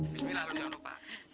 bismillah jangan lupa